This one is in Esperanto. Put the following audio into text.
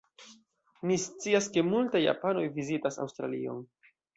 Mi scias ke multaj japanoj vizitas Aŭstralion.